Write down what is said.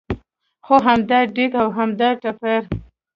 خو همدا دېګ او همدا ټېپر.